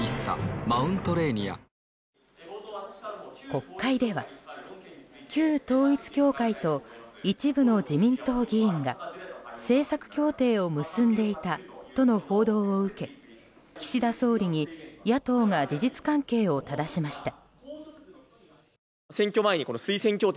国会では旧統一教会と一部の自民党議員が政策協定を結んでいたとの報道を受け岸田総理に野党が事実関係をただしました。